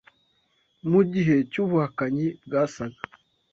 Mu gihe cy’ubuhakanyi bwasaga